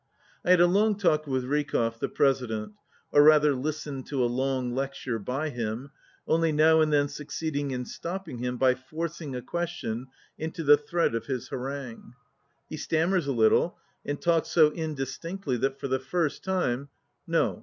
I had a long talk with Rykov, the President, or rather listened to a long lecture by him, only now and then succeeding in stopping him by forc ing a question into the thread of his harangue. He stammers a little, and talks so indistinctly that for the first time (No.